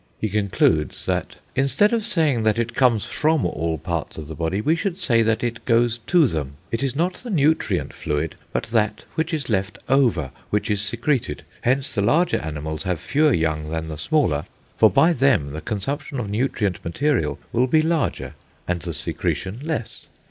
He concludes that "instead of saying that it comes from all parts of the body, we should say that it goes to them. It is not the nutrient fluid, but that which is left over, which is secreted. Hence the larger animals have fewer young than the smaller, for by them the consumption of nutrient material will be larger and the secretion less.